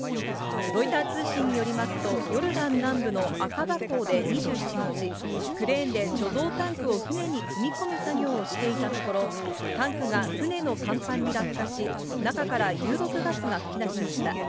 ロイター通信によりますと、ヨルダン南部のアカバ港で２７日、クレーンで貯蔵タンクを船に積み込む作業をしていたところ、タンクが船の甲板に落下し、中から有毒ガスが噴き出しました。